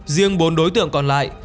riêng bốn đối tượng còn lại